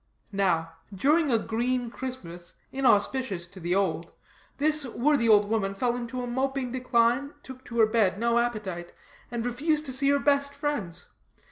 Now, during a green Christmas, inauspicious to the old, this worthy old woman fell into a moping decline, took to her bed, no appetite, and refused to see her best friends.